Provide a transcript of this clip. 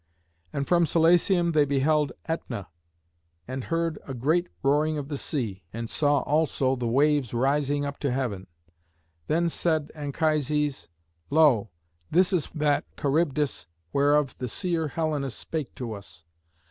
And from Scylacium they beheld Ætna, and heard a great roaring of the sea, and saw also the waves rising up to heaven. Then said Anchises, "Lo! this is that Charybdis whereof the seer Helenus spake to us.